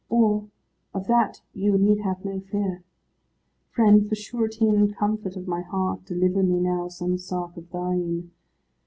Of that you need have no fear. Friend, for surety and comfort of my heart deliver me now some sark of thine.